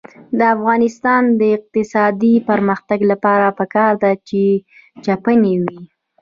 د افغانستان د اقتصادي پرمختګ لپاره پکار ده چې چپنې وي.